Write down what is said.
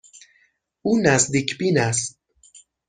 او نزدیک بین است.